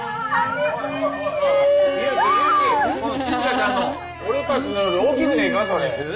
祐樹祐樹このしずかちゃんの俺たちのより大きくねえかそれ？え？